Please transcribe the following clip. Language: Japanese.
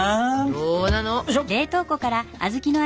どうなの？